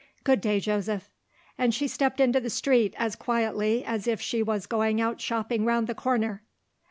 Good day, Joseph.' And she stepped into the street, as quietly as if she was going out shopping round the corner."